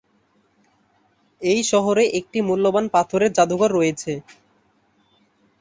এই শহরে একটি মূল্যবান পাথরের জাদুঘর রয়েছে।